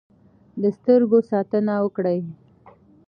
د سترګو ساتنه وکړئ.